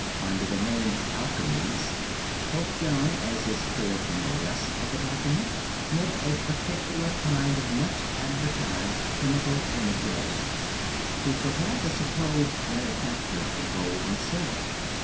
Under the name "alchemies," Pope John, as is clear from the rest of the document, meant a particular kind of much advertised chemical manipulations. He forbade the supposed manufacture of gold and silver.